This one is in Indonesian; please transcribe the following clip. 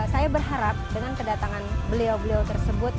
saya berharap dengan kedatangan beliau beliau tersebut